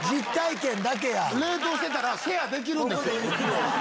冷凍してたらシェアできるんですよ。